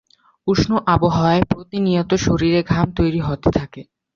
উষ্ণ আবহাওয়ায় প্রতিনিয়ত শরীরে ঘাম তৈরি হতে থাকে।